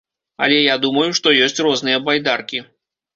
Але я думаю, што ёсць розныя байдаркі.